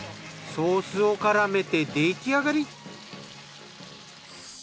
ソースをからめて出来上がり。